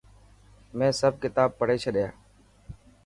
مين سڀ ڪتاب پڙهي ڇڏيا.